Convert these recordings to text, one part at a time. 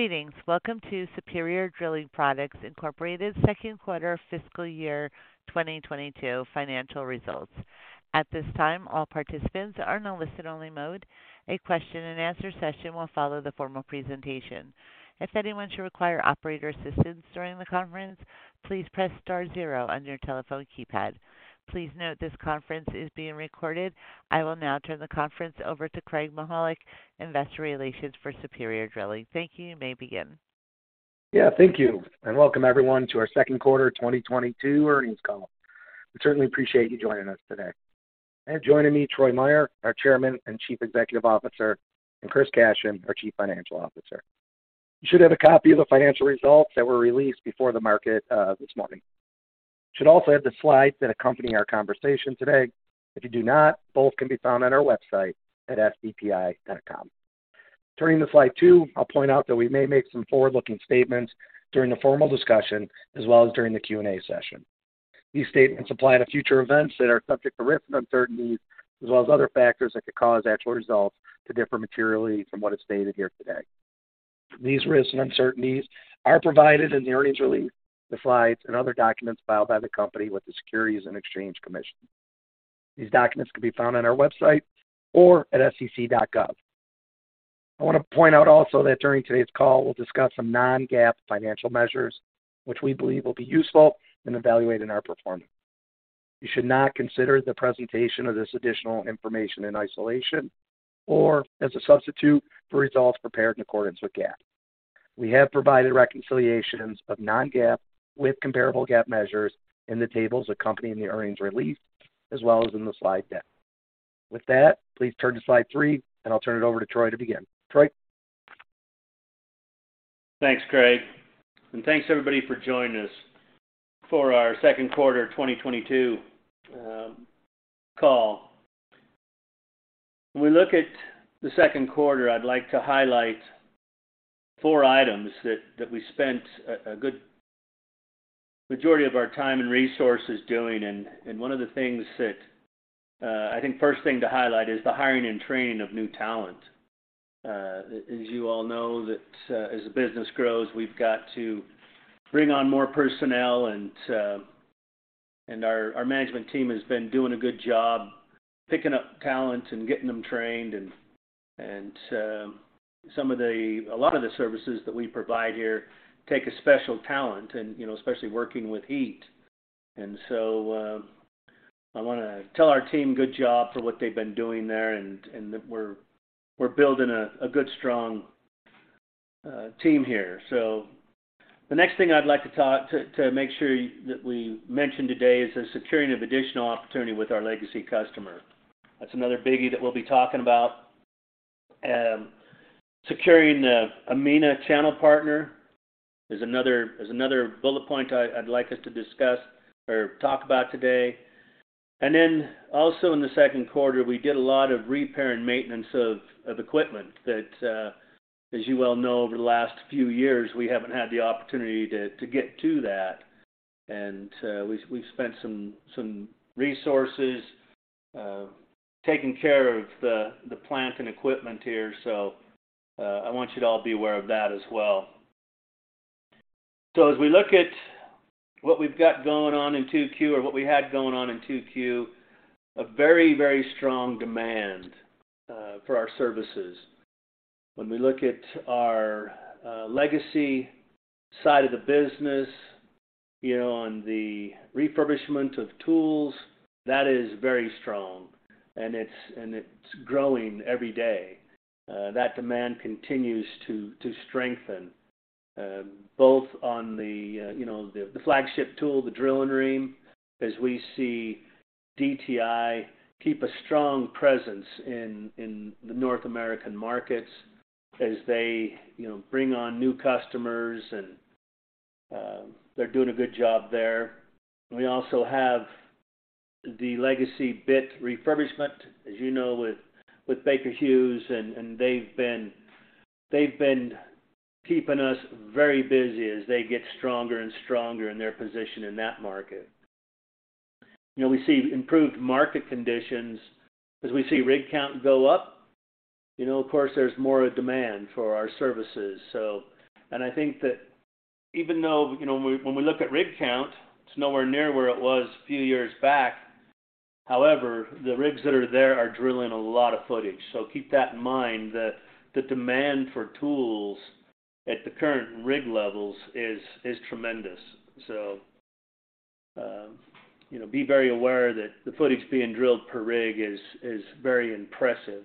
Greetings. Welcome to Superior Drilling Products, Inc. second quarter fiscal year 2022 financial results. At this time, all participants are in a listen-only mode. A question and answer session will follow the formal presentation. If anyone should require operator assistance during the conference, please press star zero on your telephone keypad. Please note this conference is being recorded. I will now turn the conference over to Craig Mychajluk, Investor Relations for Superior Drilling Products, Inc. Thank you. You may begin. Yeah. Thank you. Welcome everyone to our second quarter 2022 earnings call. We certainly appreciate you joining us today. I have joining me, Troy Meier, our Chairman and Chief Executive Officer, and Christopher Cashion, our Chief Financial Officer. You should have a copy of the financial results that were released before the market this morning. You should also have the slides that accompany our conversation today. If you do not, both can be found on our website at sdpi.com. Turning to slide two, I'll point out that we may make some forward-looking statements during the formal discussion as well as during the Q&A session. These statements apply to future events that are subject to risks and uncertainties, as well as other factors that could cause actual results to differ materially from what is stated here today. These risks and uncertainties are provided in the earnings release, the slides and other documents filed by the company with the Securities and Exchange Commission. These documents can be found on our website or at sec.gov. I wanna point out also that during today's call, we'll discuss some non-GAAP financial measures which we believe will be useful in evaluating our performance. You should not consider the presentation of this additional information in isolation or as a substitute for results prepared in accordance with GAAP. We have provided reconciliations of non-GAAP with comparable GAAP measures in the tables accompanying the earnings release, as well as in the slide deck. With that, please turn to slide three, and I'll turn it over to Troy to begin. Troy. Thanks, Craig. Thanks everybody for joining us for our second quarter 2022 call. When we look at the second quarter, I'd like to highlight four items that we spent a good majority of our time and resources doing. One of the things that I think first thing to highlight is the hiring and training of new talent. As you all know, as the business grows, we've got to bring on more personnel and our management team has been doing a good job picking up talent and getting them trained. A lot of the services that we provide here take a special talent, you know, especially working with heat. I wanna tell our team good job for what they've been doing there and that we're building a good strong team here. The next thing I'd like to to make sure that we mention today is the securing of additional opportunity with our legacy customer. That's another biggie that we'll be talking about. Securing the MENA channel partner is another bullet point I'd like us to discuss or talk about today. In the second quarter, we did a lot of repair and maintenance of equipment that, as you well know, over the last few years we haven't had the opportunity to get to that. We spent some resources taking care of the plant and equipment here. I want you to all be aware of that as well. As we look at what we've got going on in 2Q or what we had going on in 2Q, a very, very strong demand for our services. When we look at our legacy side of the business, you know, on the refurbishment of tools, that is very strong and it's growing every day. That demand continues to strengthen both on the, you know, the flagship tool, the Drill-N-Ream, as we see DTI keep a strong presence in the North American markets as they, you know, bring on new customers and they're doing a good job there. We also have the legacy bit refurbishment, as you know, with Baker Hughes and they've been keeping us very busy as they get stronger and stronger in their position in that market. You know, we see improved market conditions as we see rig count go up. You know, of course, there's more of a demand for our services. I think that even though, you know, when we look at rig count, it's nowhere near where it was a few years back. However, the rigs that are there are drilling a lot of footage. Keep that in mind. The demand for tools at the current rig levels is tremendous. You know, be very aware that the footage being drilled per rig is very impressive.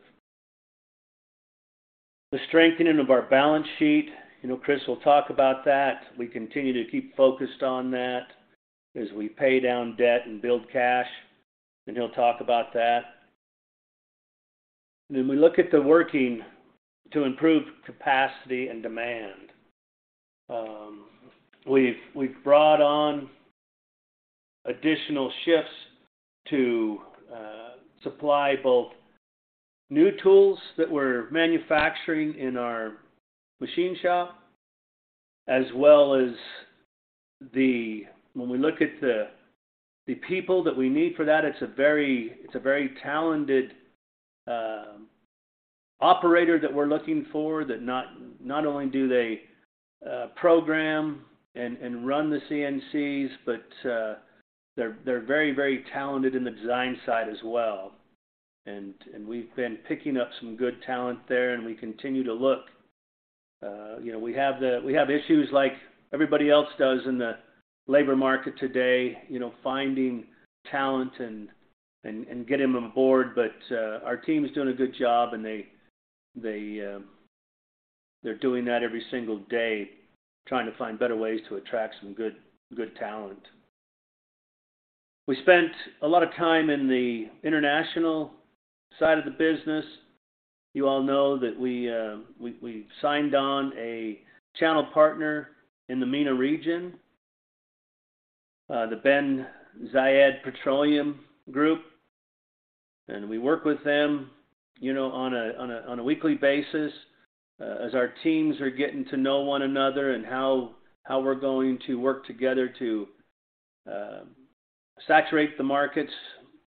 The strengthening of our balance sheet, you know, Chris will talk about that. We continue to keep focused on that as we pay down debt and build cash, and he'll talk about that. When we look at the work to improve capacity and demand, we've brought on additional shifts to supply both new tools that we're manufacturing in our machine shop, as well as when we look at the people that we need for that, it's a very talented operator that we're looking for that not only do they program and run the CNCs, but they're very talented in the design side as well. We've been picking up some good talent there, and we continue to look. You know, we have issues like everybody else does in the labor market today, you know, finding talent and getting them aboard. Our team's doing a good job, and they're doing that every single day, trying to find better ways to attract some good talent. We spent a lot of time in the international side of the business. You all know that we signed on a channel partner in the MENA region, the Bin Zayed Petroleum Group. We work with them, you know, on a weekly basis, as our teams are getting to know one another and how we're going to work together to saturate the markets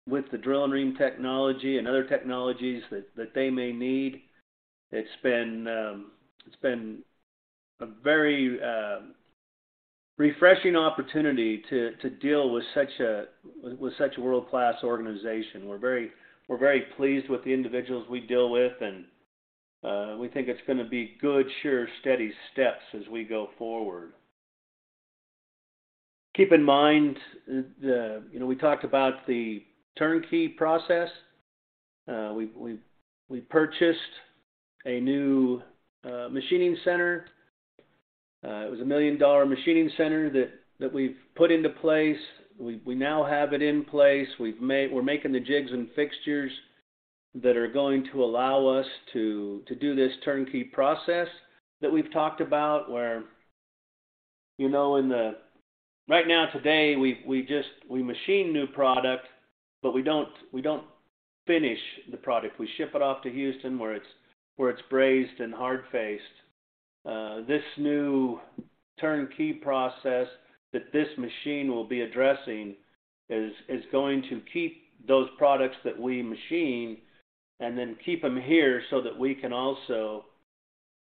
with the Drill-N-Ream technology and other technologies that they may need. It's been a very refreshing opportunity to deal with such a world-class organization. We're very pleased with the individuals we deal with, and we think it's gonna be good, sure, steady steps as we go forward. Keep in mind, you know, we talked about the turnkey process. We've purchased a new machining center. It was a $1 million machining center that we've put into place. We now have it in place. We're making the jigs and fixtures that are going to allow us to do this turnkey process that we've talked about where, you know, right now today, we machine new product, but we don't finish the product. We ship it off to Houston, where it's brazed and hard-faced. This new turnkey process that this machine will be addressing is going to keep those products that we machine and then keep them here so that we can also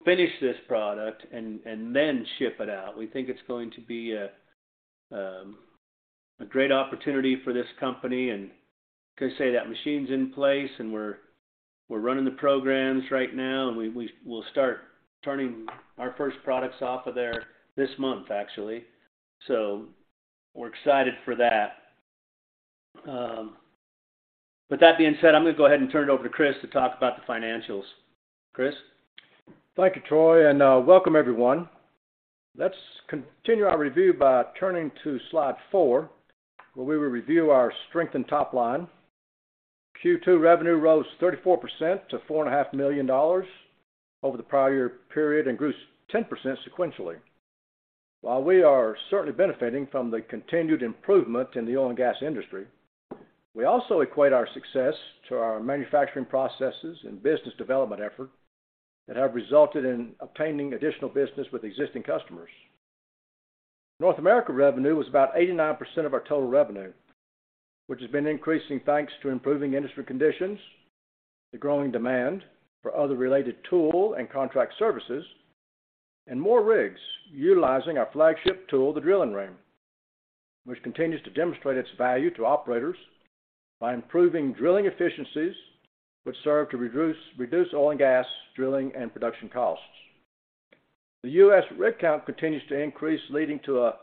finish this product and then ship it out. We think it's going to be a great opportunity for this company. Like I say, that machine's in place, and we're running the programs right now, and we'll start turning our first products off of there this month, actually. We're excited for that. With that being said, I'm gonna go ahead and turn it over to Chris to talk about the financials. Chris? Thank you, Troy, and welcome everyone. Let's continue our review by turning to slide four, where we will review our strength and top line. Q2 revenue rose 34% to $4.5 million over the prior year period and grew 10% sequentially. While we are certainly benefiting from the continued improvement in the oil and gas industry, we also equate our success to our manufacturing processes and business development effort that have resulted in obtaining additional business with existing customers. North America revenue was about 89% of our total revenue, which has been increasing thanks to improving industry conditions, the growing demand for other related tool and contract services, and more rigs utilizing our flagship tool, the Drill-N-Ream, which continues to demonstrate its value to operators by improving drilling efficiencies, which serve to reduce oil and gas drilling and production costs. The U.S. rig count continues to increase, leading to a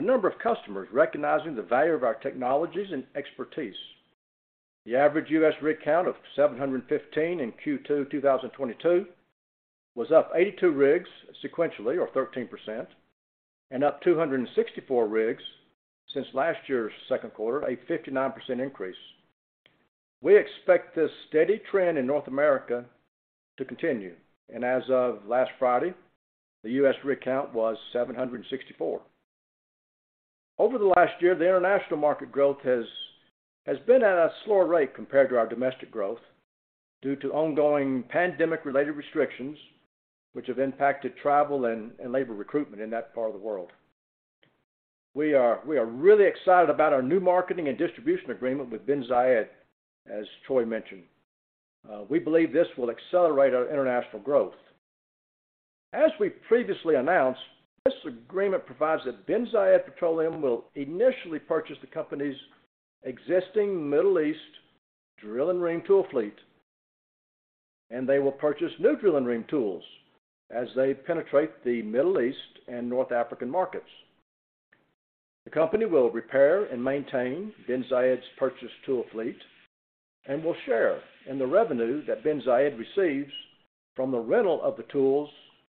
number of customers recognizing the value of our technologies and expertise. The average U.S. rig count of 715 in Q2 2022 was up 82 rigs sequentially, or 13%, and up 264 rigs since last year's second quarter, a 59% increase. We expect this steady trend in North America to continue, and as of last Friday, the U.S. rig count was 764. Over the last year, the international market growth has been at a slower rate compared to our domestic growth due to ongoing pandemic-related restrictions, which have impacted travel and labor recruitment in that part of the world. We are really excited about our new marketing and distribution agreement with Bin Zayed, as Troy mentioned. We believe this will accelerate our international growth. As we previously announced, this agreement provides that Bin Zayed Petroleum will initially purchase the company's existing Middle East Drill-N-Ream tool fleet, and they will purchase new Drill-N-Ream tools as they penetrate the Middle East and North African markets. The company will repair and maintain Bin Zayed's purchased tool fleet and will share in the revenue that Bin Zayed receives from the rental of the tools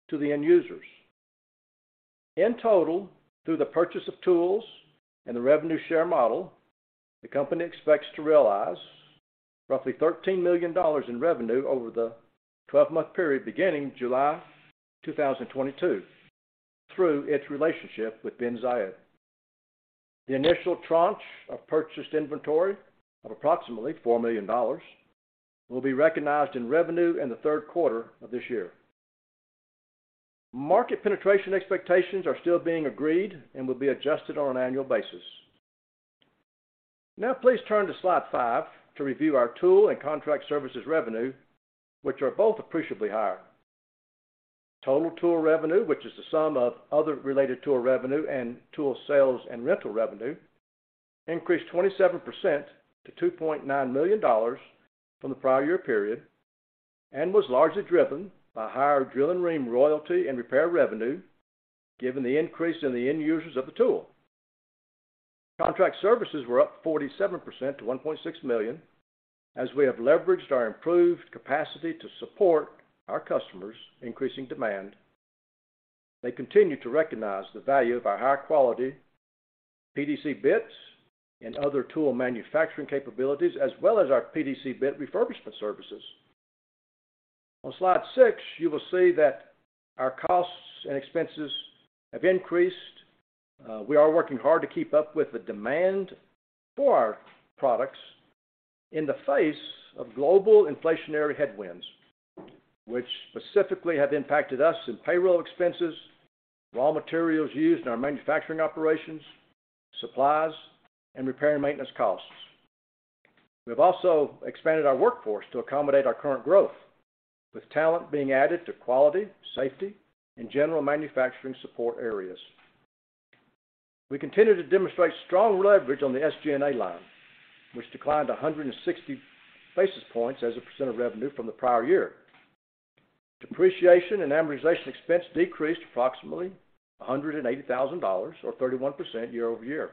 to the end users. In total, through the purchase of tools and the revenue share model, the company expects to realize roughly $13 million in revenue over the 12-month period beginning July 2022 through its relationship with Bin Zayed. The initial tranche of purchased inventory of approximately $4 million will be recognized in revenue in the third quarter of this year. Market penetration expectations are still being agreed and will be adjusted on an annual basis. Now please turn to slide five to review our tool and contract services revenue, which are both appreciably higher. Total tool revenue, which is the sum of other related tool revenue and tool sales and rental revenue, increased 27% to $2.9 million from the prior year period and was largely driven by higher Drill-N-Ream royalty and repair revenue, given the increase in the end users of the tool. Contract services were up 47% to $1.6 million, as we have leveraged our improved capacity to support our customers' increasing demand. They continue to recognize the value of our high-quality PDC bits and other tool manufacturing capabilities, as well as our PDC bit refurbishment services. On slide six, you will see that our costs and expenses have increased. We are working hard to keep up with the demand for our products in the face of global inflationary headwinds, which specifically have impacted us in payroll expenses, raw materials used in our manufacturing operations, supplies, and repair and maintenance costs. We've also expanded our workforce to accommodate our current growth, with talent being added to quality, safety, and general manufacturing support areas. We continue to demonstrate strong leverage on the SG&A line, which declined 160 basis points as a percent of revenue from the prior year. Depreciation and amortization expense decreased approximately $180,000, or 31% year-over-year,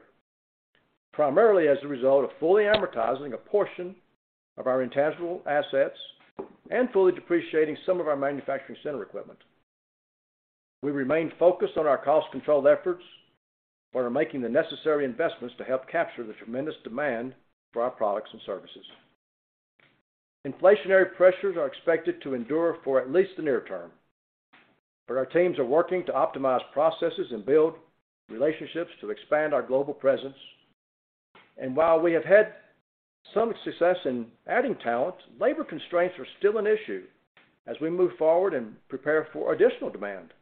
primarily as a result of fully amortizing a portion of our intangible assets and fully depreciating some of our manufacturing center equipment. We remain focused on our cost control efforts but are making the necessary investments to help capture the tremendous demand for our products and services. Inflationary pressures are expected to endure for at least the near term, but our teams are working to optimize processes and build relationships to expand our global presence. While we have had some success in adding talent, labor constraints are still an issue as we move forward and prepare for additional demand.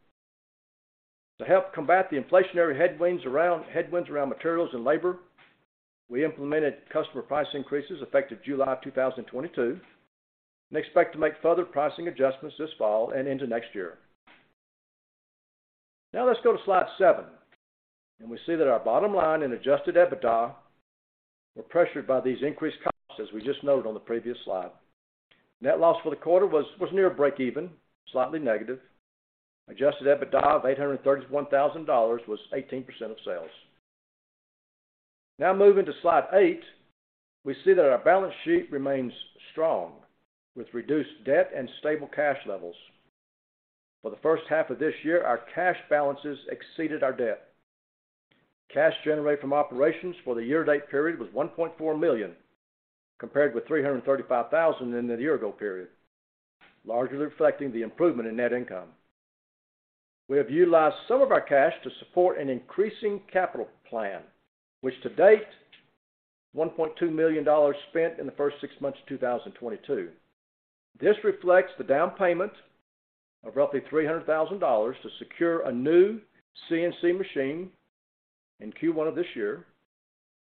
To help combat the inflationary headwinds around materials and labor, we implemented customer price increases effective July 2022 and expect to make further pricing adjustments this fall and into next year. Now let's go to slide seven, and we see that our bottom line and Adjusted EBITDA were pressured by these increased costs as we just noted on the previous slide. Net loss for the quarter was near breakeven, slightly negative. Adjusted EBITDA of $831,000 was 18% of sales. Now moving to slide eight, we see that our balance sheet remains strong with reduced debt and stable cash levels. For the first half of this year, our cash balances exceeded our debt. Cash generated from operations for the year-to-date period was $1.4 million, compared with $335,000 in the year-ago period, largely reflecting the improvement in net income. We have utilized some of our cash to support an increasing capital plan, which to date, $1.2 million spent in the first six months of 2022. This reflects the down payment of roughly $300,000 to secure a new CNC machine in Q1 of this year,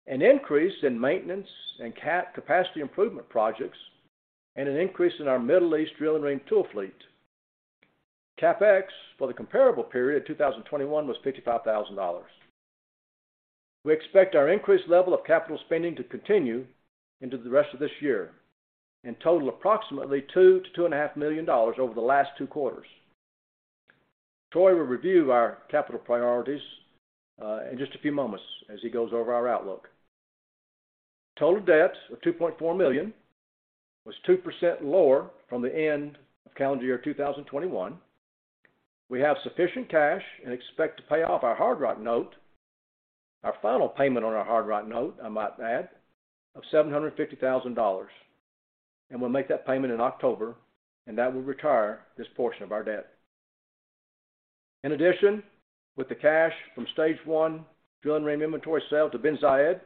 an increase in maintenance and capacity improvement projects, and an increase in our Middle East Drill-N-Ream tool fleet. CapEx for the comparable period of 2021 was $55,000. We expect our increased level of capital spending to continue into the rest of this year and total approximately $2-$2.5 million over the last two quarters. Troy will review our capital priorities in just a few moments as he goes over our outlook. Total debt of $2.4 million was 2% lower from the end of calendar year 2021. We have sufficient cash and expect to pay off our Hard Rock note, our final payment on our Hard Rock note, I might add, of $750,000. We'll make that payment in October, and that will retire this portion of our debt. In addition, with the cash from stage one Drill-N-Ream inventory sale to Bin Zayed,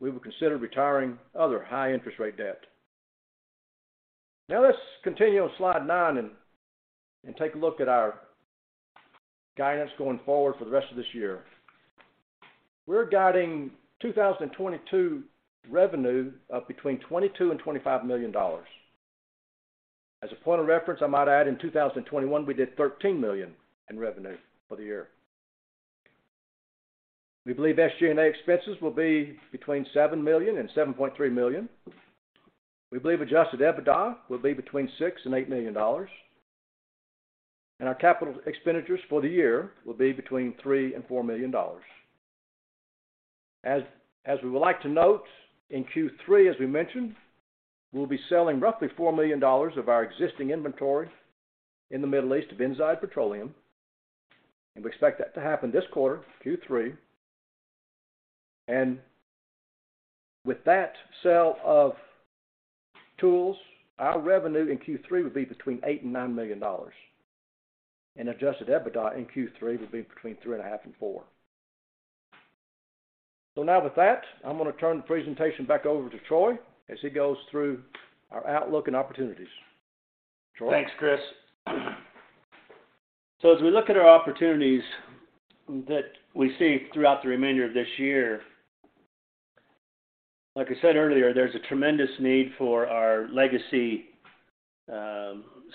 we will consider retiring other high-interest rate debt. Now let's continue on slide nine and take a look at our guidance going forward for the rest of this year. We're guiding 2022 revenue of between $22 million-$25 million. As a point of reference, I might add in 2021, we did $13 million in revenue for the year. We believe SG&A expenses will be between $7 million-$7.3 million. We believe Adjusted EBITDA will be between $6 million-$8 million. Our capital expenditures for the year will be between $3 million-$4 million. As we would like to note, in Q3, as we mentioned, we'll be selling roughly $4 million of our existing inventory in the Middle East of Bin Zayed Petroleum. We expect that to happen this quarter, Q3. With that sale of tools, our revenue in Q3 would be between $8 million and $9 million. Adjusted EBITDA in Q3 would be between $3.5 million and $4 million. Now with that, I'm gonna turn the presentation back over to Troy as he goes through our outlook and opportunities. Troy? Thanks, Chris. As we look at our opportunities that we see throughout the remainder of this year, like I said earlier, there's a tremendous need for our legacy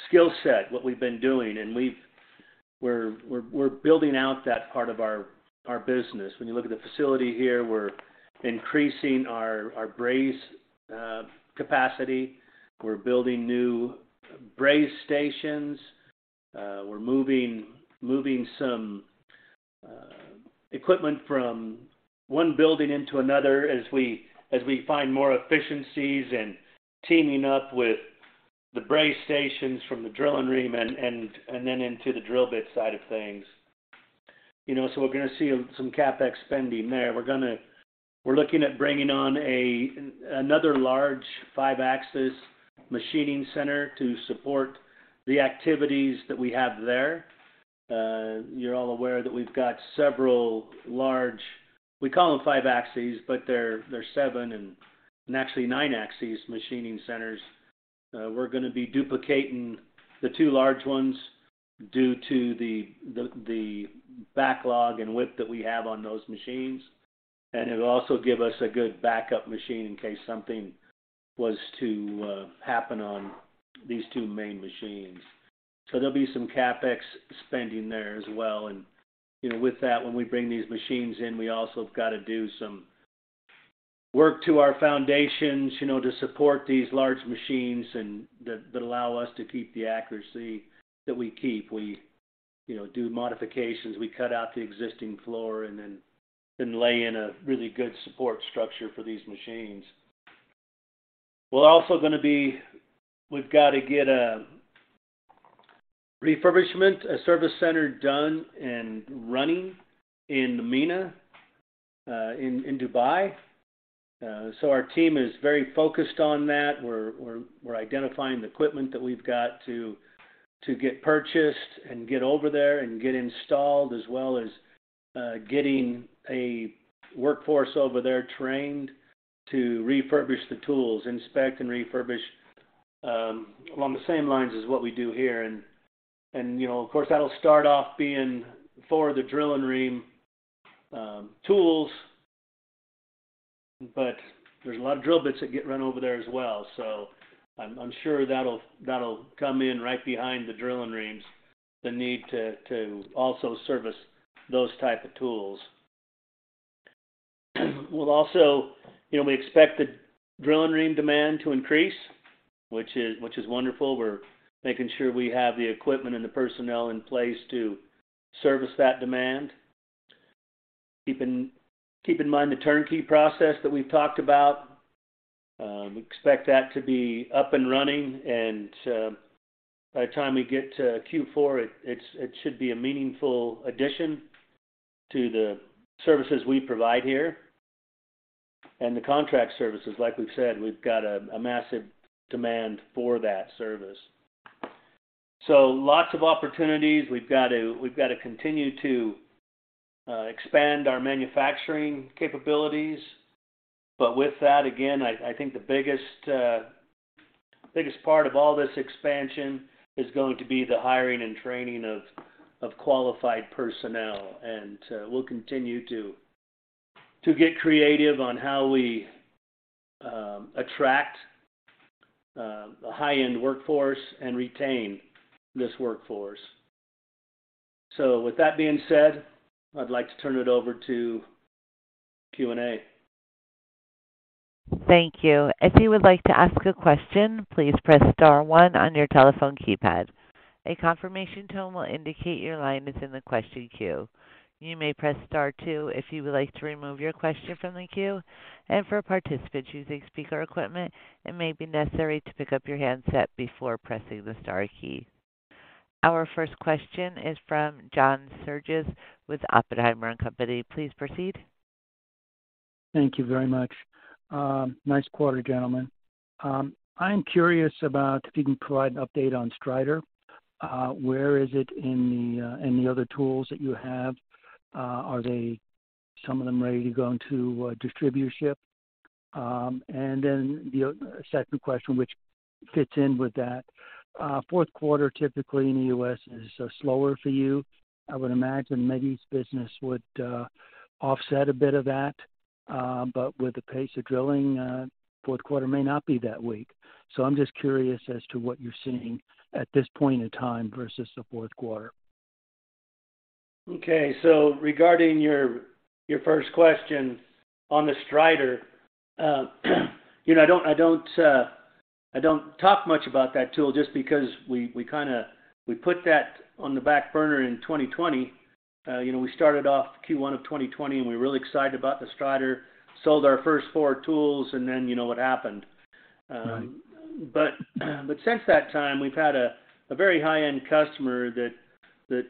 skill set, what we've been doing, and we're building out that part of our business. When you look at the facility here, we're increasing our braze capacity. We're building new braze stations. We're moving some equipment from one building into another as we find more efficiencies and teaming up with the braze stations from the Drill-N-Ream and then into the drill bit side of things. You know, we're gonna see some CapEx spending there. We're looking at bringing on another large five-axis machining center to support the activities that we have there. You're all aware that we've got several large, we call them five-axis, but they're seven and actually nine-axis machining centers. We're gonna be duplicating the two large ones due to the backlog and WIP that we have on those machines. It'll also give us a good backup machine in case something was to happen on these two main machines. There'll be some CapEx spending there as well. You know, with that, when we bring these machines in, we also have got to do some work to our foundations, you know, to support these large machines and that allow us to keep the accuracy that we keep. We, you know, do modifications. We cut out the existing floor and then lay in a really good support structure for these machines. We've got to get a refurbishment, a service center done and running in the MENA in Dubai. Our team is very focused on that. We're identifying the equipment that we've got to get purchased and get over there and get installed, as well as getting a workforce over there trained to refurbish the tools, inspect and refurbish along the same lines as what we do here. You know, of course, that'll start off being for the Drill-N-Ream tools, but there's a lot of drill bits that get run over there as well. I'm sure that'll come in right behind the Drill-N-Reams, the need to also service those type of tools. We'll also, you know, we expect the drill and ream demand to increase, which is wonderful. We're making sure we have the equipment and the personnel in place to service that demand. Keep in mind the turnkey process that we've talked about. We expect that to be up and running, and by the time we get to Q4, it should be a meaningful addition to the services we provide here. The contract services, like we've said, we've got a massive demand for that service. Lots of opportunities. We've got to continue to expand our manufacturing capabilities. With that, again, I think the biggest part of all this expansion is going to be the hiring and training of qualified personnel. We'll continue to get creative on how we attract a high-end workforce and retain this workforce. With that being said, I'd like to turn it over to Q&A. Thank you. If you would like to ask a question, please press star one on your telephone keypad. A confirmation tone will indicate your line is in the question queue. You may press star two if you would like to remove your question from the queue. For participants using speaker equipment, it may be necessary to pick up your handset before pressing the star key. Our first question is from John Stoltzfus with Oppenheimer & Company. Please proceed. Thank you very much. Nice quarter, gentlemen. I'm curious about if you can provide an update on Strider. Where is it in the other tools that you have? Are they, some of them ready to go into distributorship? And then the second question which fits in with that, fourth quarter typically in the U.S. is slower for you. I would imagine MENA's business would offset a bit of that. But with the pace of drilling, fourth quarter may not be that weak. I'm just curious as to what you're seeing at this point in time versus the fourth quarter. Okay. Regarding your first question on the Strider, you know, I don't talk much about that tool just because we kinda put that on the back burner in 2020. You know, we started off Q1 of 2020, and we were really excited about the Strider. Sold our first four tools, and then you know what happened. Since that time, we've had a very high-end customer that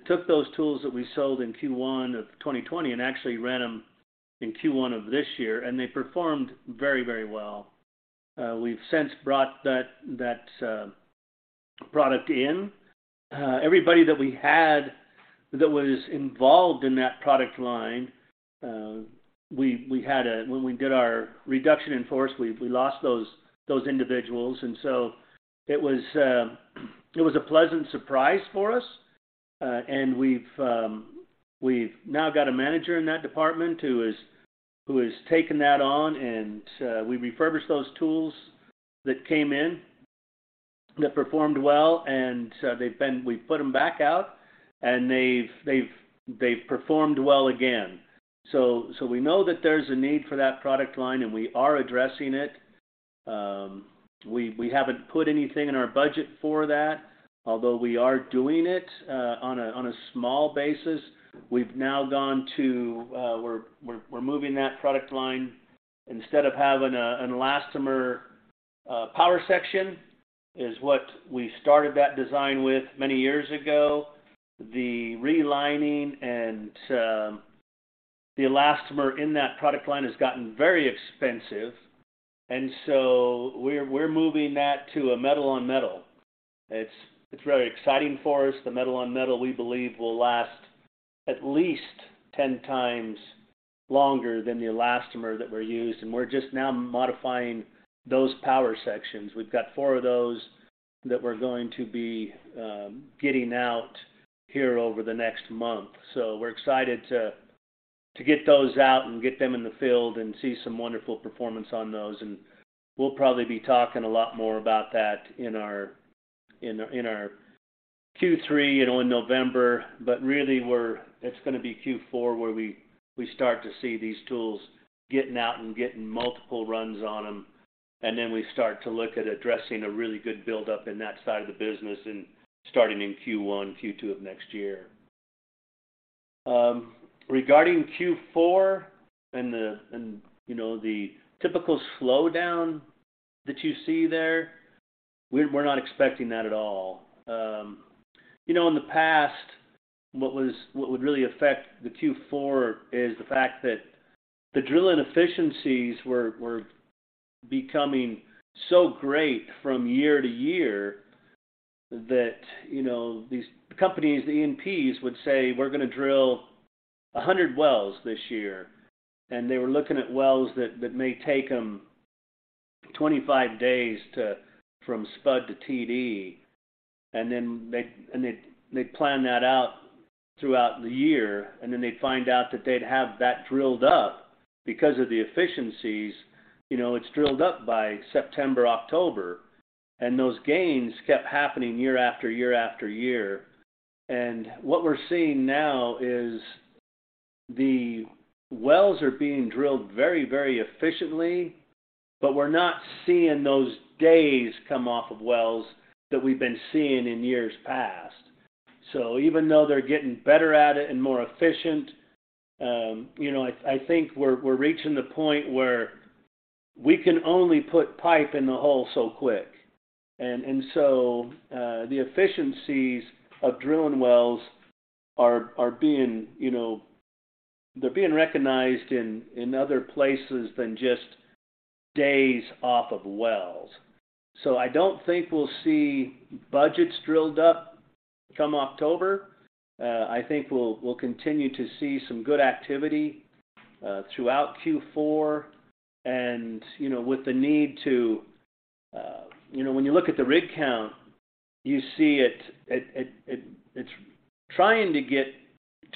took those tools that we sold in Q1 of 2020 and actually ran them in Q1 of this year, and they performed very, very well. We've since brought that product in. Everybody that we had that was involved in that product line, when we did our reduction in force, we lost those individuals. It was a pleasant surprise for us. We've now got a manager in that department who has taken that on. We refurbished those tools that came in, that performed well, and we've put them back out, and they've performed well again. We know that there's a need for that product line, and we are addressing it. We haven't put anything in our budget for that, although we are doing it on a small basis. We've now gone to, we're moving that product line. Instead of having an elastomer power section is what we started that design with many years ago. The relining and the elastomer in that product line has gotten very expensive. We're moving that to a metal-on-metal. It's very exciting for us. The metal-on-metal, we believe, will last at least 10 times longer than the elastomer that were used. We're just now modifying those power sections. We've got four of those that we're going to be getting out here over the next month. We're excited to get those out and get them in the field and see some wonderful performance on those. We'll probably be talking a lot more about that in our Q3 in November. Really, it's gonna be Q4 where we start to see these tools getting out and getting multiple runs on them. Then we start to look at addressing a really good buildup in that side of the business and starting in Q1, Q2 of next year. Regarding Q4 and the typical slowdown that you see there, you know, we're not expecting that at all. You know, in the past, what would really affect the Q4 is the fact that the drilling efficiencies were becoming so great from year-to-year that, you know, these companies, the E&Ps, would say, "We're gonna drill 100 wells this year." They were looking at wells that may take them 25 days from spud to TD. They'd plan that out throughout the year, and then they'd find out that they'd have that drilled up because of the efficiencies. You know, it's drilled up by September, October. Those gains kept happening year after year after year. What we're seeing now is the wells are being drilled very, very efficiently, but we're not seeing those days come off of wells that we've been seeing in years past. Even though they're getting better at it and more efficient, I think we're reaching the point where we can only put pipe in the hole so quick. The efficiencies of drilling wells are being recognized in other places than just days off of wells. I don't think we'll see budgets drilled up come October. I think we'll continue to see some good activity throughout Q4. You know, when you look at the rig count, you see it's trying to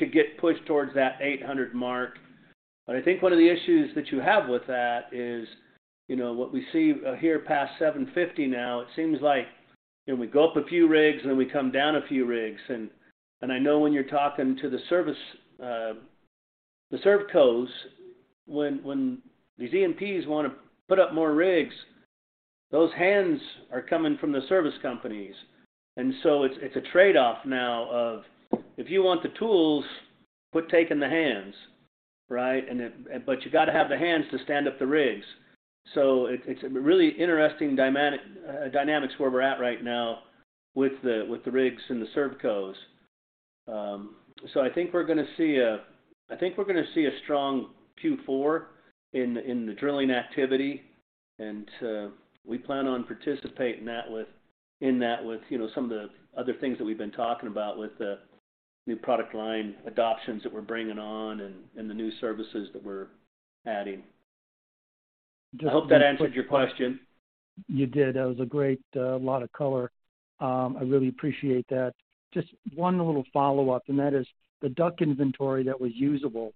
get pushed towards that 800 mark. I think one of the issues that you have with that is, you know, what we see here past 750 now, it seems like, you know, we go up a few rigs, and then we come down a few rigs. I know when you're talking to the service, the servcos, when these E&Ps wanna put up more rigs, those hands are coming from the service companies. It's a trade-off now of if you want the tools, quit taking the hands, right? You gotta have the hands to stand up the rigs. It's a really interesting dynamics where we're at right now with the rigs and the servcos. I think we're gonna see a strong Q4 in the drilling activity, and we plan on participating in that with, you know, some of the other things that we've been talking about with the new product line adoptions that we're bringing on and the new services that we're adding. I hope that answered your question. You did. That was a great lot of color. I really appreciate that. Just one little follow-up, and that is the DUC inventory that was usable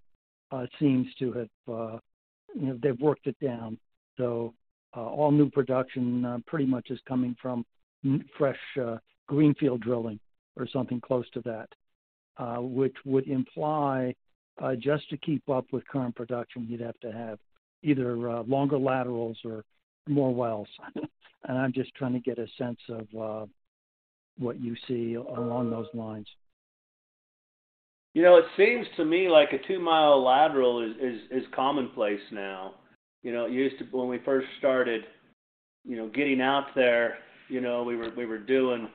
seems to have, you know, they've worked it down. All new production pretty much is coming from fresh greenfield drilling or something close to that. Which would imply, just to keep up with current production, you'd have to have either longer laterals or more wells. I'm just trying to get a sense of what you see along those lines. You know, it seems to me like a 2-mile lateral is commonplace now. You know, it used to. When we first started, you know, getting out there, you know, we were doing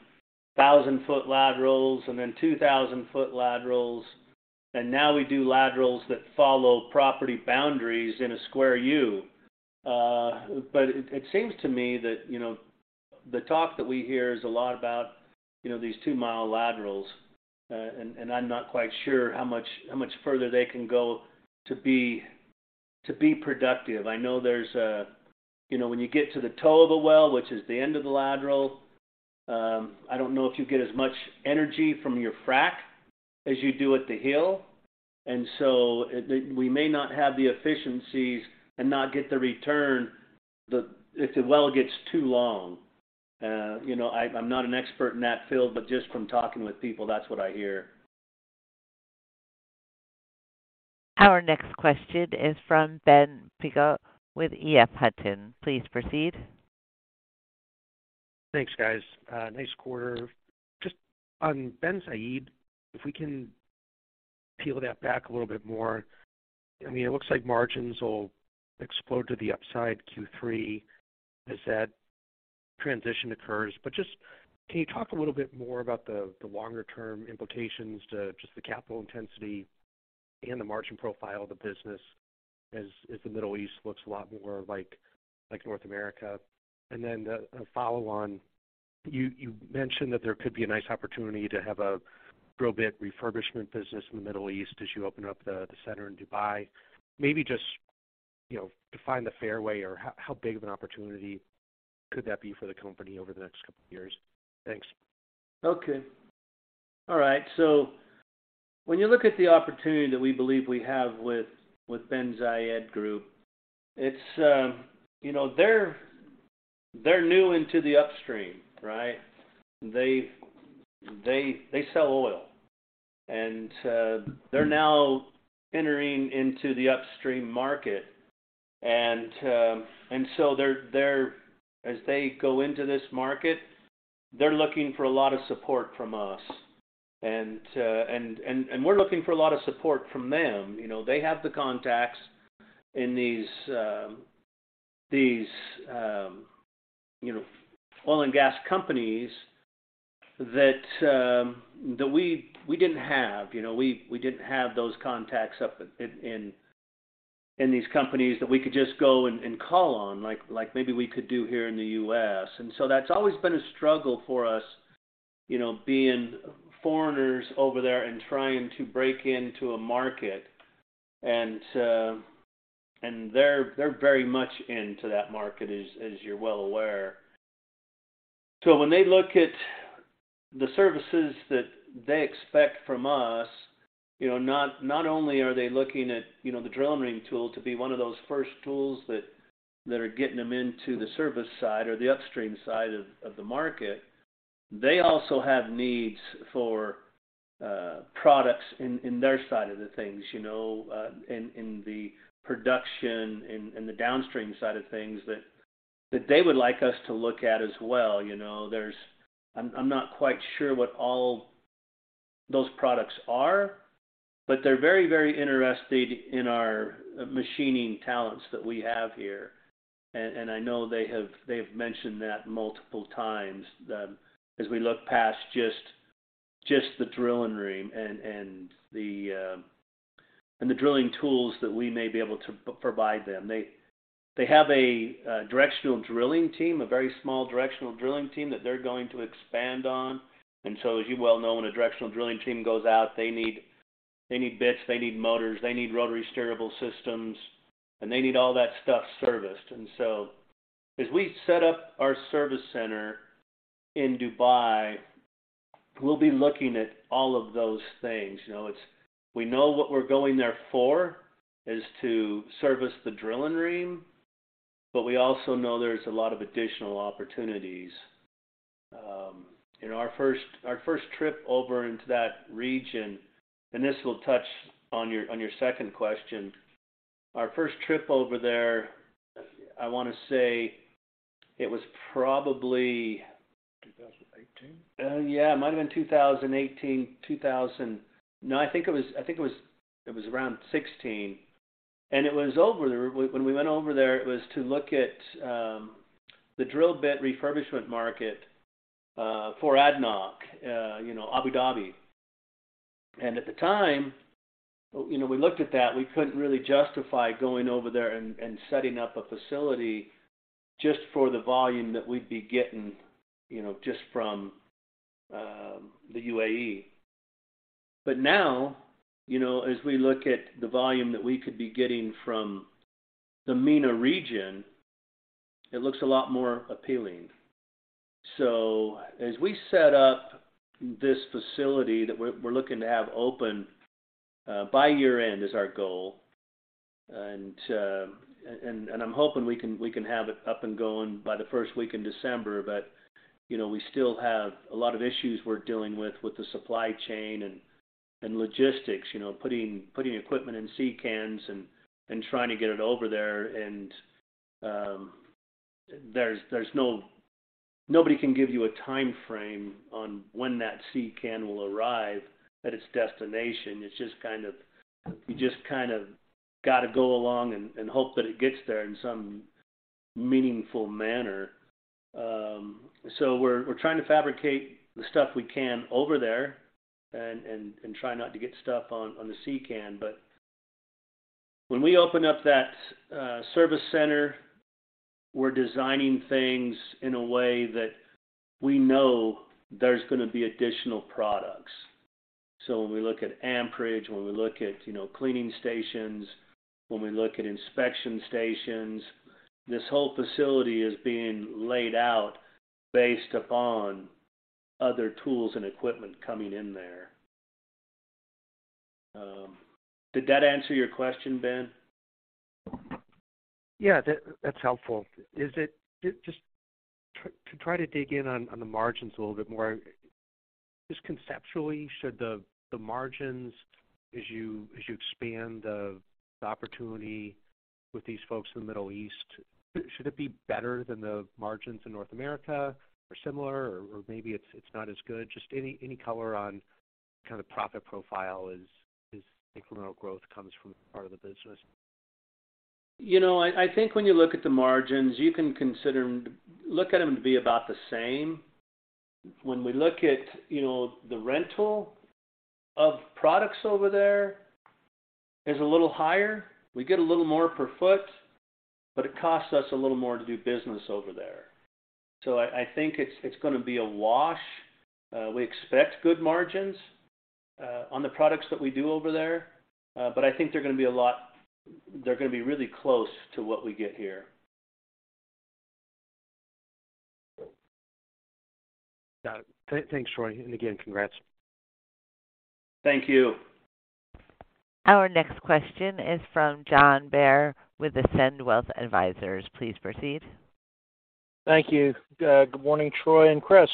1,000-foot laterals, and then 2,000-foot laterals. Now we do laterals that follow property boundaries in a square U. But it seems to me that, you know, the talk that we hear is a lot about, you know, these 2-mile laterals. And I'm not quite sure how much further they can go to be productive. I know there's a. You know, when you get to the toe of the well, which is the end of the lateral, I don't know if you get as much energy from your frack as you do at the heel. We may not have the efficiencies and not get the return if the well gets too long. You know, I'm not an expert in that field, but just from talking with people, that's what I hear. Our next question is from Benjamin Piggott with EF Hutton. Please proceed. Thanks, guys. Nice quarter. Just on Bin Zayed, if we can peel that back a little bit more. I mean, it looks like margins will explode to the upside Q3 as that transition occurs. Just can you talk a little bit more about the longer term implications to just the capital intensity and the margin profile of the business as the Middle East looks a lot more like North America? Then a follow-on. You mentioned that there could be a nice opportunity to have a drill bit refurbishment business in the Middle East as you open up the center in Dubai. Maybe just, you know, define the fairway or how big of an opportunity could that be for the company over the next couple years? Thanks. Okay. All right. When you look at the opportunity that we believe we have with Bin Zayed Group, it's. You know, they're new into the upstream, right? They sell oil, and they're now entering into the upstream market. They're as they go into this market, they're looking for a lot of support from us, and we're looking for a lot of support from them. You know, they have the contacts in these, you know, oil and gas companies that we didn't have. You know, we didn't have those contacts up in these companies that we could just go and call on, like maybe we could do here in the U.S. That's always been a struggle for us, you know, being foreigners over there and trying to break into a market. They're very much into that market, as you're well aware. When they look at the services that they expect from us, you know, not only are they looking at, you know, the Drill-N-Ream tool to be one of those first tools that are getting them into the service side or the upstream side of the market, they also have needs for products in their side of the things, you know, in the production and the downstream side of things that they would like us to look at as well. I'm not quite sure what all those products are, but they're very interested in our machining talents that we have here. I know they have mentioned that multiple times, as we look past just the Drill-N-Ream and the drilling tools that we may be able to provide them. They have a directional drilling team, a very small directional drilling team that they're going to expand on. As you well know, when a directional drilling team goes out, they need bits, motors, rotary steerable systems, and all that stuff serviced. As we set up our service center in Dubai, we'll be looking at all of those things. You know, we know what we're going there for, is to service the Drill-N-Ream, but we also know there's a lot of additional opportunities. In our first trip over into that region, this will touch on your second question. Our first trip over there, I wanna say it was probably 2018. It might've been 2018. No, I think it was around 2016. It was over there. When we went over there, it was to look at the drill bit refurbishment market for ADNOC, Abu Dhabi. At the time, you know, we looked at that, and we couldn't really justify going over there and setting up a facility just for the volume that we'd be getting, you know, just from the UAE. Now, you know, as we look at the volume that we could be getting from the MENA region, it looks a lot more appealing. As we set up this facility that we're looking to have open by year-end is our goal, and I'm hoping we can have it up and going by the first week in December. You know, we still have a lot of issues we're dealing with with the supply chain and logistics. You know, putting equipment in sea cans and trying to get it over there. There's nobody can give you a timeframe on when that sea can will arrive at its destination. It's just kind of. You just kind of got to go along and hope that it gets there in some meaningful manner. We're trying to fabricate the stuff we can over there and try not to get stuff on the sea can. When we open up that service center, we're designing things in a way that we know there's gonna be additional products. When we look at amperage, when we look at, you know, cleaning stations, when we look at inspection stations, this whole facility is being laid out based upon other tools and equipment coming in there. Did that answer your question, Ben? Yeah. That's helpful. Just to try to dig in on the margins a little bit more, just conceptually, should the margins as you expand the opportunity with these folks in the Middle East, should it be better than the margins in North America or similar, or maybe it's not as good? Just any color on kind of profit profile as incremental growth comes from part of the business. You know, I think when you look at the margins, you can consider them to be about the same. When we look at, you know, the rental of products over there is a little higher. We get a little more per foot, but it costs us a little more to do business over there. I think it's gonna be a wash. We expect good margins on the products that we do over there, but I think they're gonna be really close to what we get here. Got it. Thanks, Troy, and again, congrats. Thank you. Our next question is from John Baer with Ascend Wealth Advisors. Please proceed. Thank you. Good morning, Troy and Chris.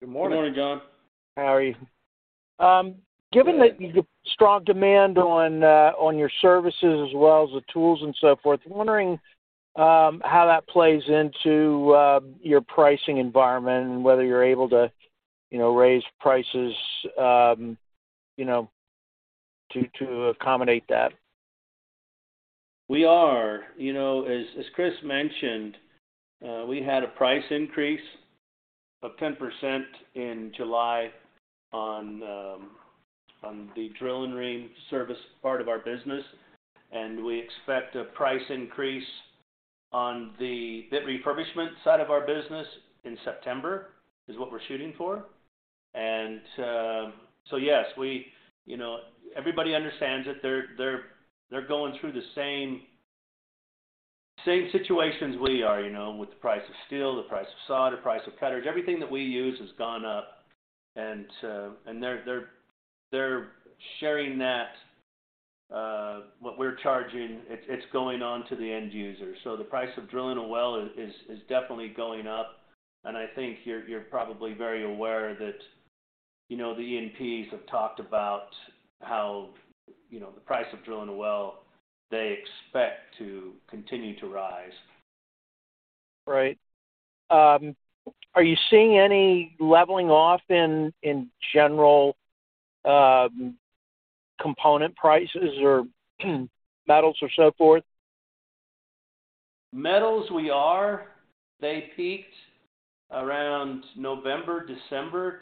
Good morning. Good morning, John. How are you? Given the strong demand on your services as well as the tools and so forth, I'm wondering how that plays into your pricing environment and whether you're able to, you know, raise prices, you know, to accommodate that. We are. You know, as Chris mentioned, we had a price increase of 10% in July on the Drill-N-Ream service part of our business, and we expect a price increase on the bit refurbishment side of our business in September, is what we're shooting for. Yes. You know, everybody understands that they're going through the same situation as we are, you know, with the price of steel, the price of soda, the price of cutters. Everything that we use has gone up, and they're sharing that. What we're charging, it's going on to the end user. The price of drilling a well is definitely going up, and I think you're probably very aware that, you know, the E&Ps have talked about how, you know, the price of drilling a well, they expect to continue to rise. Right. Are you seeing any leveling off in general, component prices or metals or so forth? Metals, we are. They peaked around November, December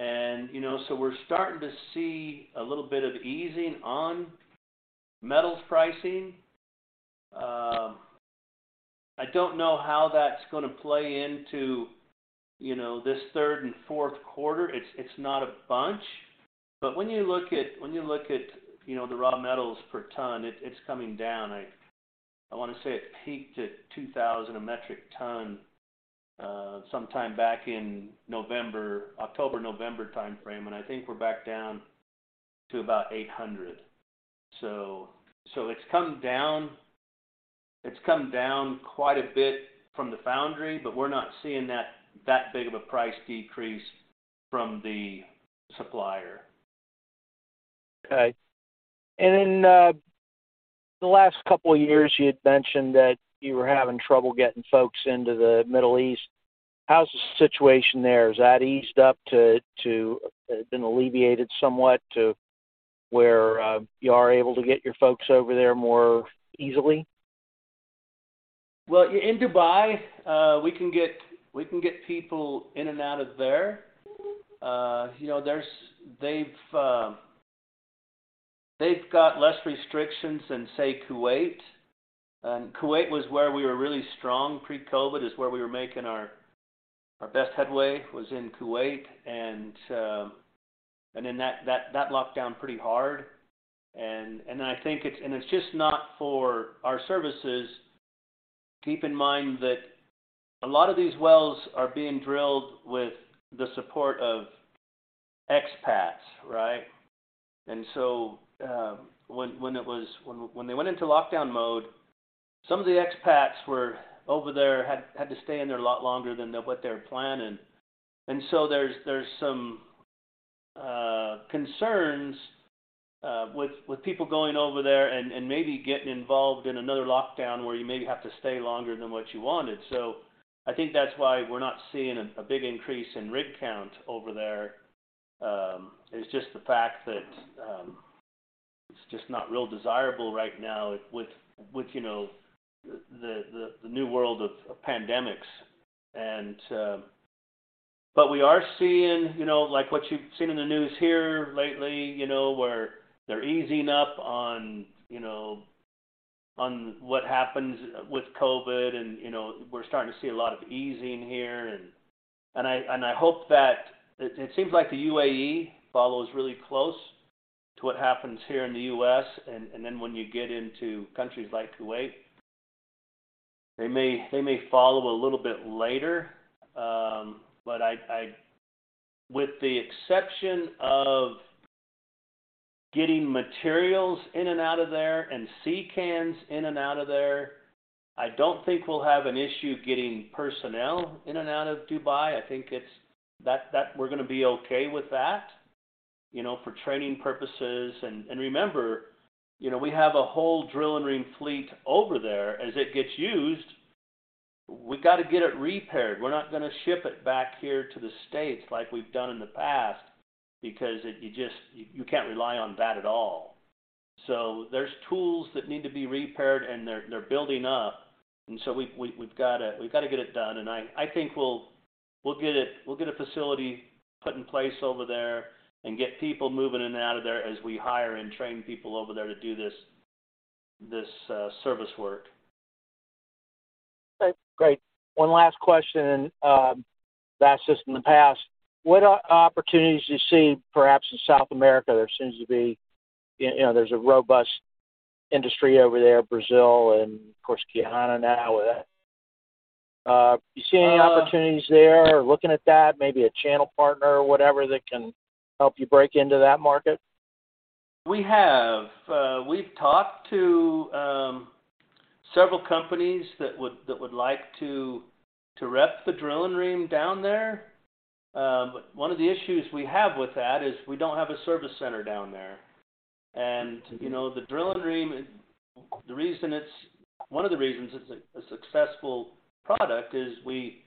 timeframe. You know, we're starting to see a little bit of easing on metals pricing. I don't know how that's gonna play into, you know, this third and fourth quarter. It's not a bunch. But when you look at, you know, the raw metals per ton, it's coming down. I wanna say it peaked at $2,000 a metric ton, sometime back in October, November timeframe, and I think we're back down to about $800. It's come down quite a bit from the foundry, but we're not seeing that big of a price decrease from the supplier. Okay. The last couple of years, you'd mentioned that you were having trouble getting folks into the Middle East. How's the situation there? Has that been alleviated somewhat to where you are able to get your folks over there more easily? Well, in Dubai, we can get people in and out of there. You know, they've got less restrictions than, say, Kuwait. Kuwait was where we were really strong pre-COVID. It's where we were making our best headway was in Kuwait. Then that locked down pretty hard. I think it's just not for our services. Keep in mind that a lot of these wells are being drilled with the support of expats, right? When they went into lockdown mode, some of the expats were over there, had to stay in there a lot longer than what they were planning. There's some concerns with people going over there and maybe getting involved in another lockdown where you maybe have to stay longer than what you wanted. I think that's why we're not seeing a big increase in rig count over there is just the fact that it's just not real desirable right now with you know the new world of pandemics. We are seeing you know like what you've seen in the news here lately you know where they're easing up on you know on what happens with COVID and you know we're starting to see a lot of easing here. I hope that... It seems like the UAE follows really close to what happens here in the US and then when you get into countries like Kuwait, they may follow a little bit later. With the exception of getting materials in and out of there and sea cans in and out of there, I don't think we'll have an issue getting personnel in and out of Dubai. I think that we're gonna be okay with that, you know, for training purposes. Remember, you know, we have a whole drill and ream fleet over there. As it gets used, we gotta get it repaired. We're not gonna ship it back here to the States like we've done in the past because you just can't rely on that at all. There's tools that need to be repaired, and they're building up, and we've gotta get it done. I think we'll get a facility put in place over there and get people moving in and out of there as we hire and train people over there to do this service work. Okay, great. One last question, and I've asked this in the past. What opportunities do you see perhaps in South America? There seems to be. You know, there's a robust industry over there, Brazil and of course Guyana now with that. Do you see any opportunities there or looking at that, maybe a channel partner or whatever that can help you break into that market? We have. We've talked to several companies that would like to rep the Drill-N-Ream down there. One of the issues we have with that is we don't have a service center down there. You know, the Drill-N-Ream, one of the reasons it's a successful product is we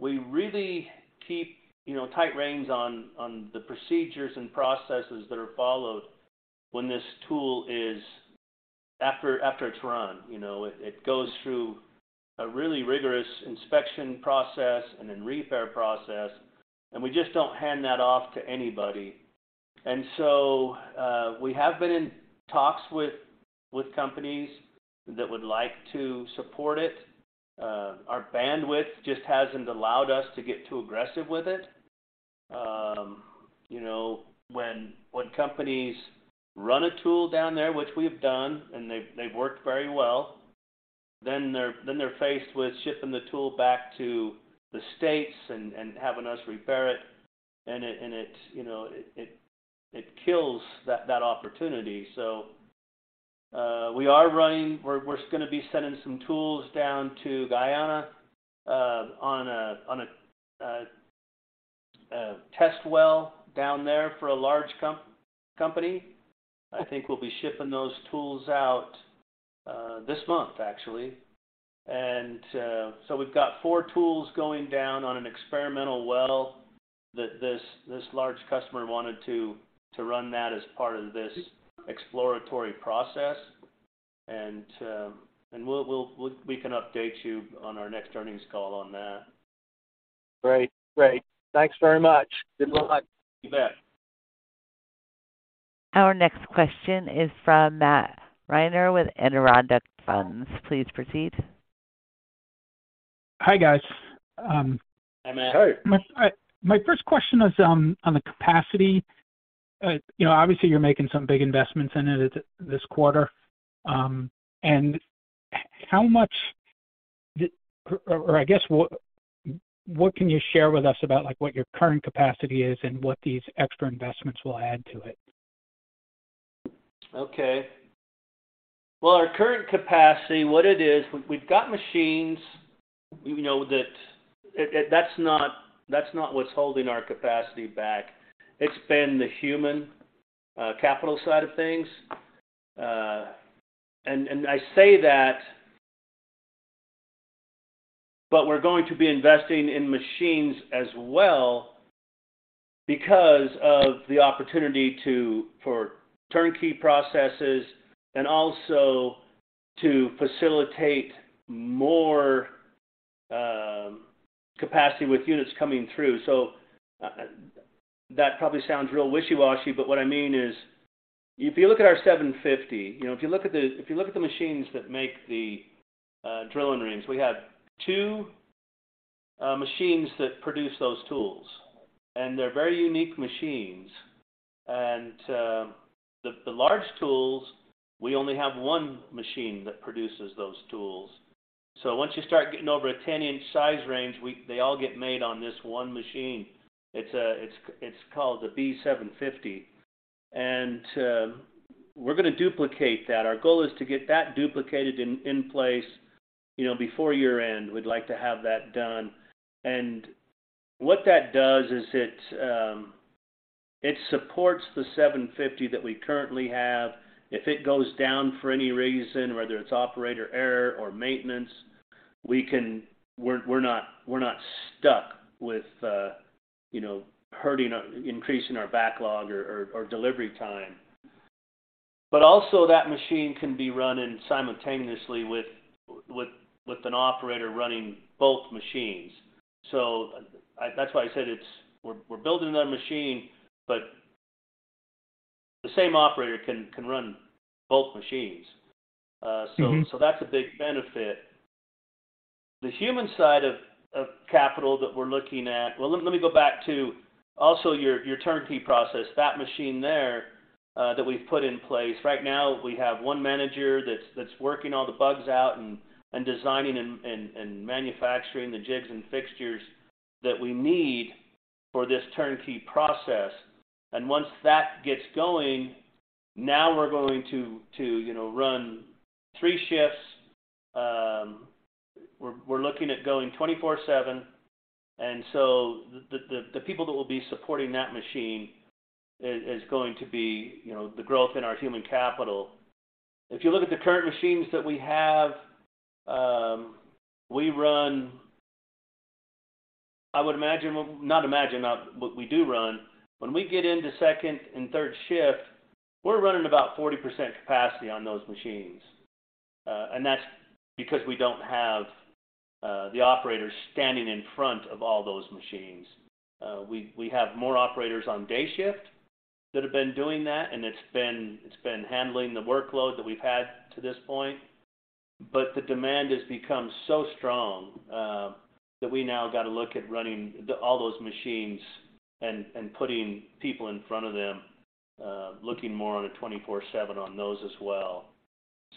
really keep tight reins on the procedures and processes that are followed after it's run. It goes through a really rigorous inspection process and then repair process, and we just don't hand that off to anybody. We have been in talks with companies that would like to support it. Our bandwidth just hasn't allowed us to get too aggressive with it. You know, when companies run a tool down there, which we've done, and they've worked very well, then they're faced with shipping the tool back to the States and having us repair it, and it's, you know, it kills that opportunity. We're gonna be sending some tools down to Guyana on a test well down there for a large company. I think we'll be shipping those tools out this month actually. We can update you on our next earnings call on that. Great. Thanks very much. Good luck. You bet. Our next question is from Matthew Reiner with Adirondack Funds. Please proceed. Hi, guys. Hi, Matt. Hey. My first question is on the capacity. You know, obviously you're making some big investments in it this quarter. How much or I guess what can you share with us about, like, what your current capacity is and what these extra investments will add to it? Okay. Well, our current capacity, what it is, we've got machines, you know, that's not what's holding our capacity back. It's been the human capital side of things. I say that, but we're going to be investing in machines as well because of the opportunity for turnkey processes and also to facilitate more capacity with units coming through. That probably sounds real wishy-washy, but what I mean is if you look at our B750, you know, if you look at the machines that make the Drill-N-Ream, we have two machines that produce those tools, and they're very unique machines. The large tools, we only have one machine that produces those tools. Once you start getting over a 10-inch size range, they all get made on this one machine. It's called the B750. We're gonna duplicate that. Our goal is to get that duplicated in place, you know, before year-end. We'd like to have that done. What that does is it supports the 750 that we currently have. If it goes down for any reason, whether it's operator error or maintenance, we can. We're not stuck with hurting or increasing our backlog or delivery time. That machine can be run simultaneously with an operator running both machines. That's why I said we're building another machine, but the same operator can run both machines. Mm-hmm. That's a big benefit. The human side of capital that we're looking at. Well, let me go back to also your turnkey process. That machine there that we've put in place. Right now, we have one manager that's working all the bugs out and designing and manufacturing the jigs and fixtures that we need for this turnkey process. Once that gets going, now we're going to run three shifts. We're looking at going 24/7, and so the people that will be supporting that machine is going to be you know the growth in our human capital. If you look at the current machines that we have, we run what we do run. When we get into second and third shift, we're running about 40% capacity on those machines. That's because we don't have the operators standing in front of all those machines. We have more operators on day shift that have been doing that, and it's been handling the workload that we've had to this point. The demand has become so strong that we now gotta look at running all those machines and putting people in front of them, looking more on a 24/7 on those as well.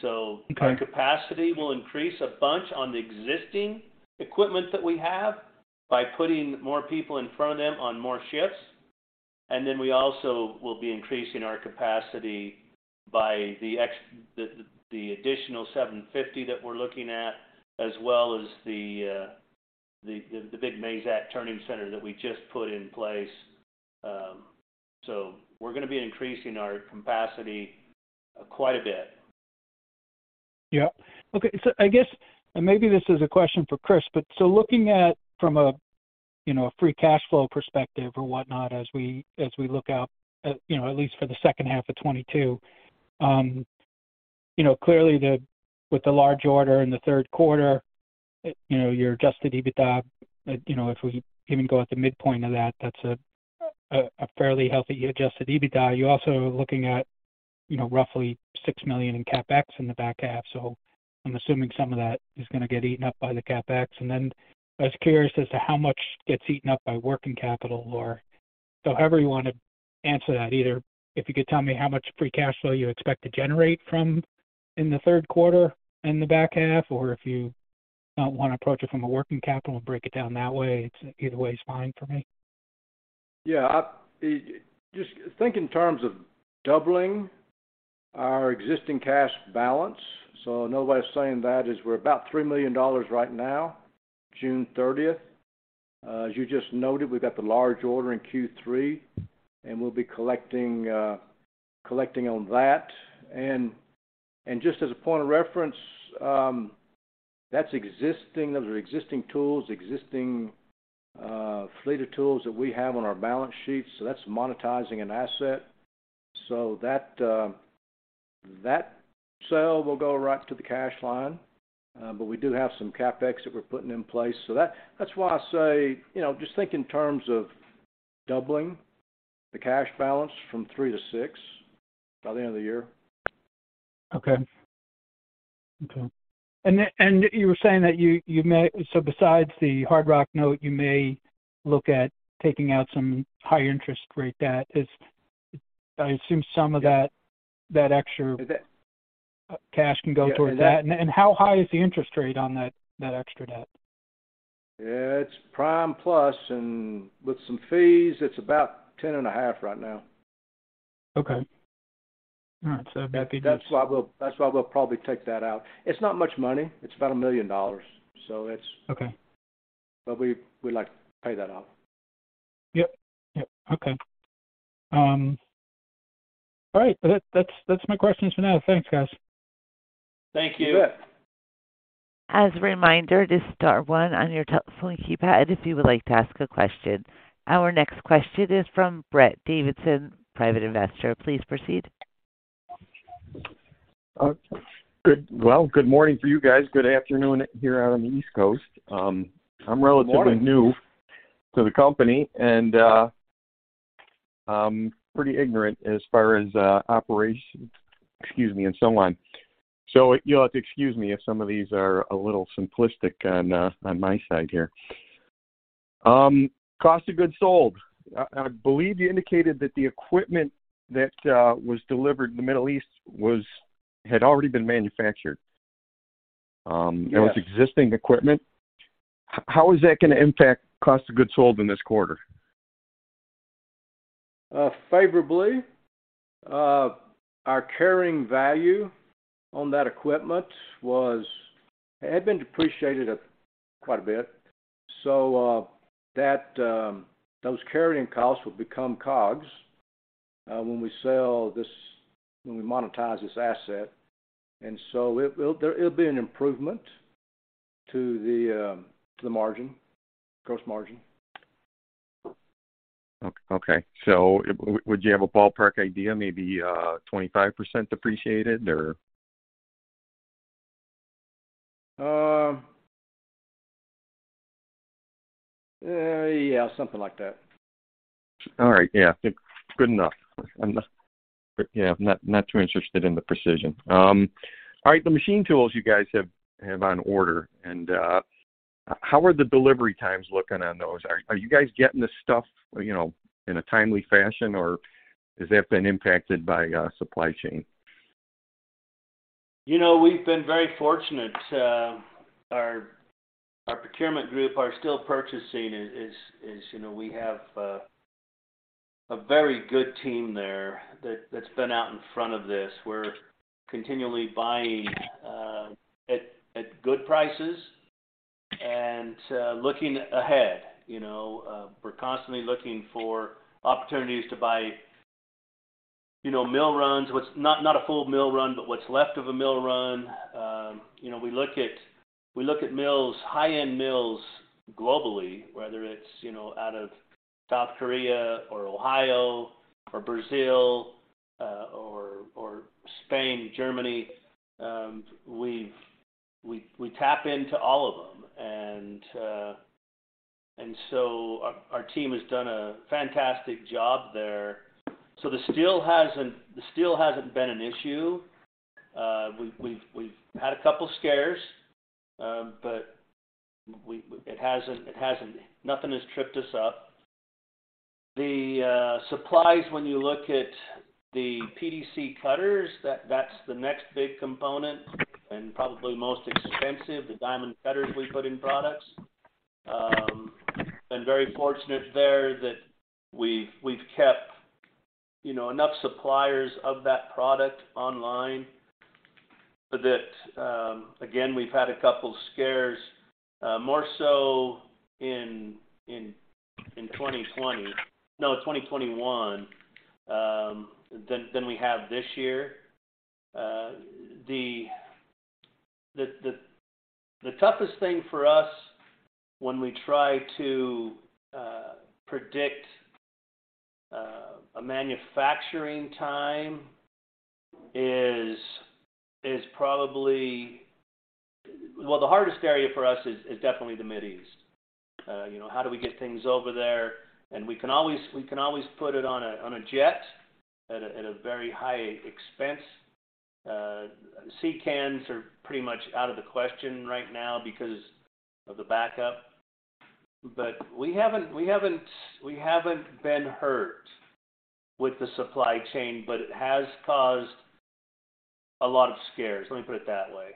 Okay. Our capacity will increase a bunch on the existing equipment that we have by putting more people in front of them on more shifts. We also will be increasing our capacity by the additional B750 that we're looking at, as well as the big Mazak turning center that we just put in place. We're gonna be increasing our capacity quite a bit. Yeah. Okay. I guess, and maybe this is a question for Chris, but looking at, from a, you know, a free cash flow perspective or whatnot as we look out, you know, at least for the second half of 2022, you know, clearly with the large order in the third quarter, you know, your Adjusted EBITDA, you know, if we even go at the midpoint of that's a fairly healthy Adjusted EBITDA. You're also looking at, you know, roughly $6 million in CapEx in the back half. I'm assuming some of that is gonna get eaten up by the CapEx. Then I was curious as to how much gets eaten up by working capital or. However you wanna answer that, either if you could tell me how much free cash flow you expect to generate from in the third quarter in the back half, or if you wanna approach it from a working capital and break it down that way. Either way is fine for me. Yeah. Just think in terms of doubling our existing cash balance. Another way of saying that is we're about $3 million right now, June 30th. As you just noted, we've got the large order in Q3, and we'll be collecting on that. Just as a point of reference, that's existing. Those are existing tools, fleet of tools that we have on our balance sheet, so that's monetizing an asset. That sale will go right to the cash line. We do have some CapEx that we're putting in place. That’s why I say, you know, just think in terms of doubling the cash balance from three to six by the end of the year. Okay. You were saying that you may so besides the Hard Rock note, you may look at taking out some higher interest rate debt. I assume some of that. Yeah. That extra- Yeah. Cash can go towards that. Yeah. How high is the interest rate on that extra debt? It's prime plus and with some fees, it's about 10.5 right now. Okay. All right. That's why we'll probably take that out. It's not much money. It's about $1 million. Okay. We'd like to pay that off. Yep. Okay. All right. Well, that's my questions for now. Thanks, guys. Thank you. You bet. As a reminder to star one on your telephone keypad if you would like to ask a question. Our next question is from Brett Davidson, Private Investor. Please proceed. Good morning for you guys. Good afternoon here out on the East Coast. I'm relatively. Good morning. New to the company and, pretty ignorant as far as, operations, excuse me, and so on. You'll have to excuse me if some of these are a little simplistic on my side here. Cost of goods sold. I believe you indicated that the equipment that was delivered in the Middle East had already been manufactured. With existing equipment, how is that going to impact cost of goods sold in this quarter? Favorably. Our carrying value on that equipment was, had been depreciated quite a bit. Those carrying costs will become COGS when we monetize this asset. It'll be an improvement to the margin, gross margin. Okay. Would you have a ballpark idea, maybe, 25% appreciated or? Yeah, something like that. All right. Yeah. Good enough. I'm not too interested in the precision. All right, the machine tools you guys have on order and how are the delivery times looking on those? Are you guys getting the stuff, you know, in a timely fashion, or has that been impacted by supply chain? You know, we've been very fortunate. Our procurement group, our steel purchasing is, you know, we have a very good team there that's been out in front of this. We're continually buying at good prices and looking ahead, you know. We're constantly looking for opportunities to buy, you know, mill runs. Not a full mill run, but what's left of a mill run. You know, we look at mills, high-end mills globally, whether it's, you know, out of South Korea or Ohio or Brazil, or Spain, Germany. We tap into all of them. Our team has done a fantastic job there. The steel hasn't been an issue. We've had a couple scares, but it hasn't. Nothing has tripped us up. The supplies, when you look at the PDC cutters, that's the next big component and probably most expensive, the diamond cutters we put in products. We've been very fortunate there that we've kept, you know, enough suppliers of that product online so that again, we've had a couple scares, more so in 2021 than we have this year. The toughest thing for us when we try to predict a manufacturing time is probably. Well, the hardest area for us is definitely the Middle East. You know, how do we get things over there? We can always put it on a jet at a very high expense. Sea-Cans are pretty much out of the question right now because of the backup. We haven't been hurt with the supply chain, but it has caused a lot of scares, let me put it that way.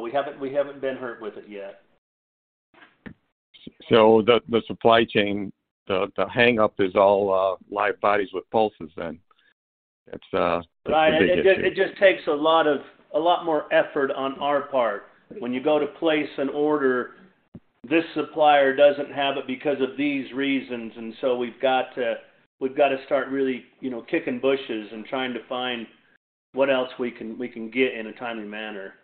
We haven't been hurt with it yet. The supply chain, the hang-up is all live bodies with pulses then. It's the big issue. Right. It just takes a lot more effort on our part. When you go to place an order, this supplier doesn't have it because of these reasons, and so we've got to start really, you know, kicking bushes and trying to find what else we can get in a timely manner.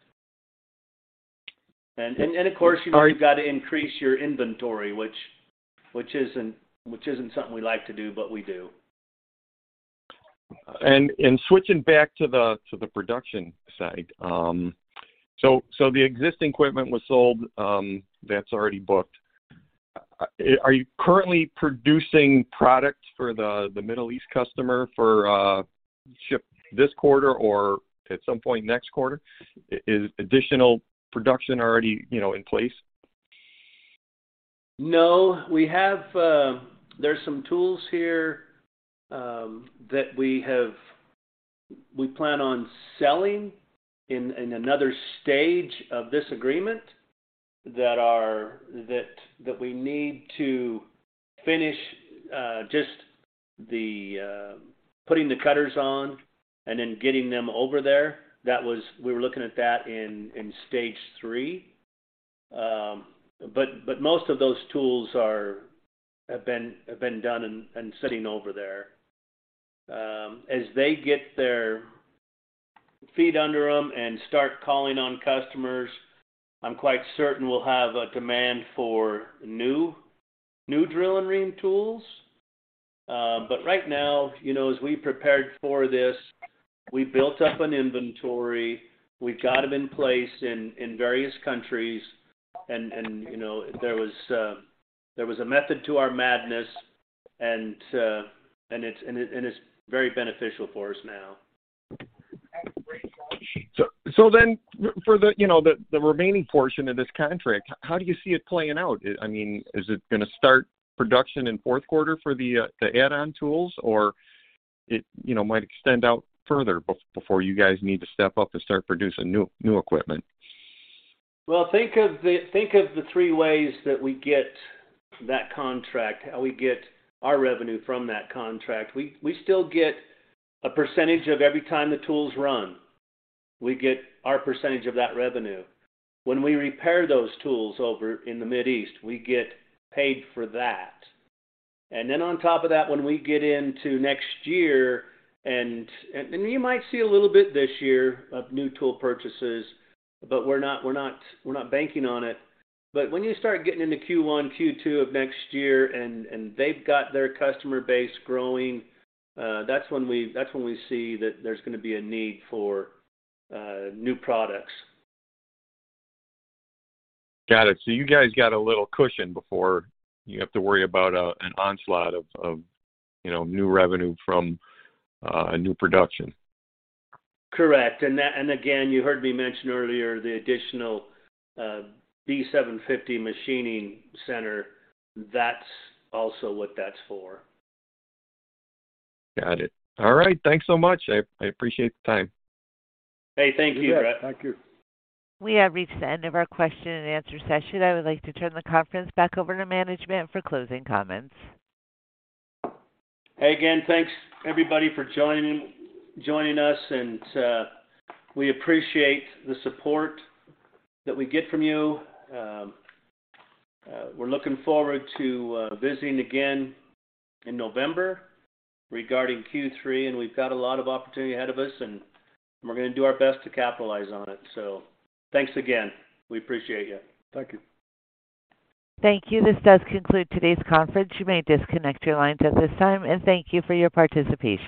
Of course, you know, you've got to increase your inventory, which isn't something we like to do, but we do. Switching back to the production side. The existing equipment was sold, that's already booked. Are you currently producing products for the Middle East customer for shipment this quarter or at some point next quarter? Is additional production already, you know, in place? No. We have. There's some tools here that we plan on selling in another stage of this agreement that we need to finish, just putting the cutters on and then getting them over there. We were looking at that in stage three. Most of those tools have been done and sitting over there. As they get their feet under them and start calling on customers, I'm quite certain we'll have a demand for new drill and ream tools. Right now, you know, as we prepared for this, we built up an inventory. We've got them in place in various countries and, you know, there was a method to our madness, and it's very beneficial for us now. For the, you know, the remaining portion of this contract, how do you see it playing out? I mean, is it gonna start production in fourth quarter for the add-on tools, or it, you know, might extend out further before you guys need to step up and start producing new equipment. Think of the three ways that we get that contract, how we get our revenue from that contract. We still get a percentage of every time the tools run. We get our percentage of that revenue. When we repair those tools over in the Middle East, we get paid for that. Then on top of that, when we get into next year and you might see a little bit this year of new tool purchases, but we're not banking on it. When you start getting into Q1, Q2 of next year and they've got their customer base growing, that's when we see that there's gonna be a need for new products. Got it. You guys got a little cushion before you have to worry about an onslaught of, you know, new revenue from new production. Correct. Again, you heard me mention earlier the additional B750 machining center. That's also what that's for. Got it. All right. Thanks so much. I appreciate the time. Hey, thank you, Brett. You bet. Thank you. We have reached the end of our question and answer session. I would like to turn the conference back over to management for closing comments. Hey again. Thanks everybody for joining us and we appreciate the support that we get from you. We're looking forward to visiting again in November regarding Q3, and we've got a lot of opportunity ahead of us, and we're gonna do our best to capitalize on it. Thanks again. We appreciate you. Thank you. Thank you. This does conclude today's conference. You may disconnect your lines at this time, and thank you for your participation.